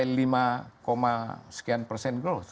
kita bisa mencapai lima sekian persen growth